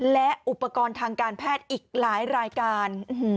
และอุปกรณ์ทางการแพทย์อีกหลายรายการ